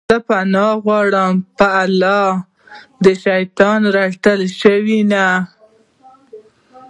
زه پناه غواړم په الله د شيطان رټلي شوي نه